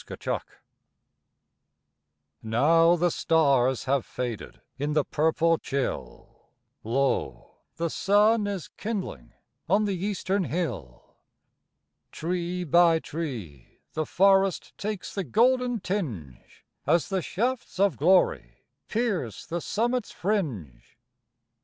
At Sunrise Now the stars have faded In the purple chill, Lo, the sun is kindling On the eastern hill. Tree by tree the forest Takes the golden tinge, As the shafts of glory Pierce the summit's fringe.